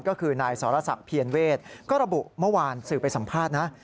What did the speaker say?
ก็คือนายสรษักเพียรเวศก็ระบุเมื่อวานสื่อไปสัมภาษณ์นะ